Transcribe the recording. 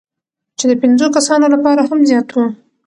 چې د پنځو کسانو لپاره هم زیات وو،